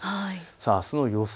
あすの予想